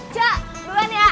cek duluan ya